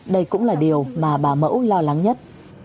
đây cũng là điều mà bà mẫu lo lắng nhất